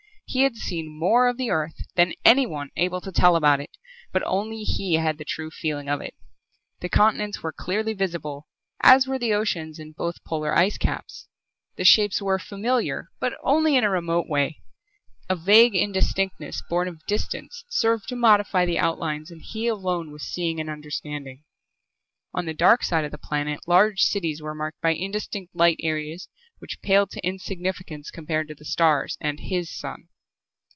He had seen more of Earth than anyone able to tell about it, but only he had the true feeling of it. The continents were clearly visible, as were the oceans and both polar ice caps. The shapes were familiar but in only a remote way. A vague indistinctness borne of distance served to modify the outlines and he alone was seeing and understanding. On the dark side of the planet large cities were marked by indistinct light areas which paled to insignificance compared to the stars and his sun.